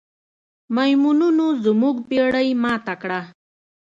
میمونونو زموږ بیړۍ ماته کړه.